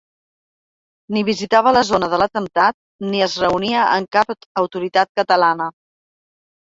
Ni visitava la zona de l’atemptat ni es reunia amb cap autoritat catalana.